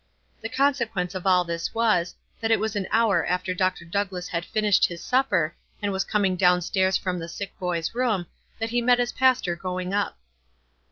The consequence of all this was, that it was an hour after Dr. Douglass had finished his supper, and was com ing down stairs from the sick boy's room, that he met his pastor going up.